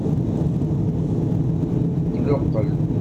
Qluqqel.